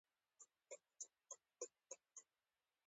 یو له بل سره وایي بلا وه او برکت یې پکې نه و.